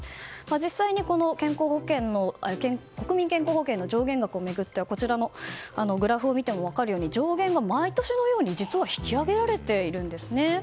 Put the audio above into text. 実際、国民健康保険の上限額を巡ってはこちらのグラフを見ても分かるように上限が毎年のように実は引き上げられているんですね。